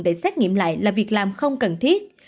để xét nghiệm lại là việc làm không cần thiết